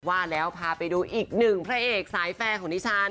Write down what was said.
ว่าแล้วพาไปดูอีกหนึ่งพระเอกสายแฟร์ของดิฉัน